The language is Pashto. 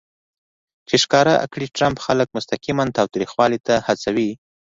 چې ښکاره کړي ټرمپ خلک مستقیماً تاوتریخوالي ته هڅوي